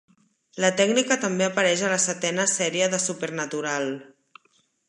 La tècnica també apareix a la setena sèrie de "Supernatural".